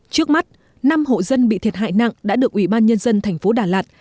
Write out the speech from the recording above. trước mắt năm hộ dân bị thiệt hại nặng đã được ubnd tp đà lạt